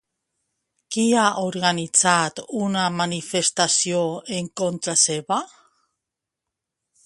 Qui ha organitzat una manifestació en contra seva?